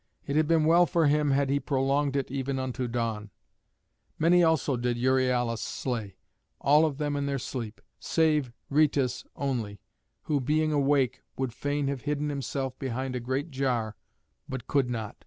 It had been well for him had he prolonged it even unto dawn. Many also did Euryalus slay, all of them in their sleep, save Rhœtus only, who, being awake, would fain have hidden himself behind a great jar, but could not.